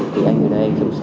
thì anh ở đấy xuống xe